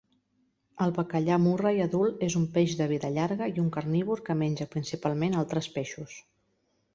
El bacallà Murray adult és un peix de vida llarga i un carnívor que menja principalment altres peixos.